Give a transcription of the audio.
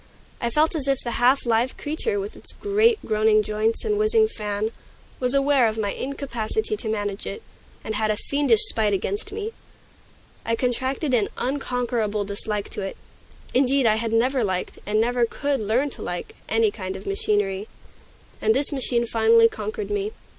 I felt as if the half live creature, with its great, groaning joints and whizzing fan, was aware of my incapacity to manage it, and had a fiendish spite against me. I contracted an unconquerable dislike to it; indeed, I had never liked, and never could learn to like, any kind of machinery. And this machine finally conquered me.